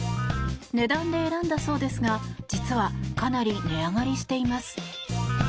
値段で選んだそうですが実はかなり値上がりしています。